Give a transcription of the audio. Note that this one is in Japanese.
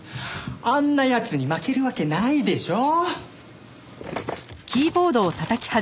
あんな奴に負けるわけないでしょ。